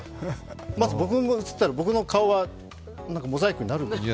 まず僕が写ってたら僕の顔はモザイクになるんですかね。